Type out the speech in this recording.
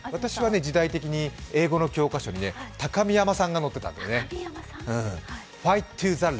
私は英語の教科書に高見山さんが載ってたんですよね。